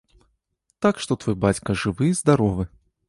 Так што твой бацька жывы і здаровы.